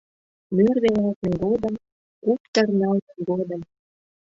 Мӧр велалтме годым, куптыр налме годым